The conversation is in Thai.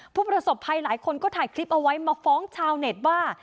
ผู้ประสบภัยหลายคนก็ถ่ายคลิปเอาไว้มาฟ้องชาวเน็ตว่า